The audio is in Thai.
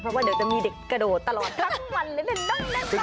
เพราะว่าเดี๋ยวจะมีเด็กกระโดดตลอดทั้งวันเลยนะ